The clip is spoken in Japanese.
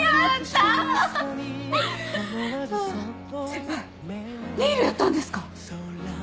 先輩ネイルやったんですか？